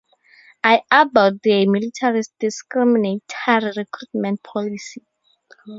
I abhor the military's discriminatory recruitment policy.